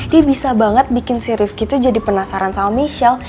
dia bisa banget bikin si riv gitu jadi penasaran sama michelle